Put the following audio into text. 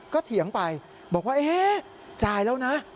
ก็เถียงไปบอกว่าเอ๊ะจ่ายแล้วนะ